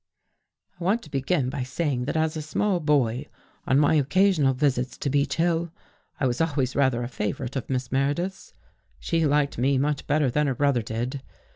" I want to begin by saying that as a small boy, on my occasional visits to Beech Hill, I was always rather a favorite of Miss Meredith's. She liked me much better than her brother did.